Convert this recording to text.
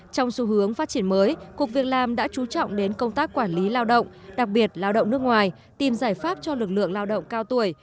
trong xu hướng phát triển mới cục việc làm đã trú trọng đến công tác quản lý lao động đặc biệt lao động nước ngoài tìm giải pháp cho lực lượng lao động cao tuổi